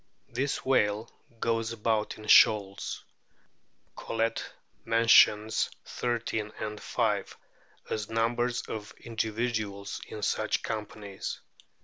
This whale goes about in shoals ; Collett mentions thirteen and five as numbers of individuals in such companies.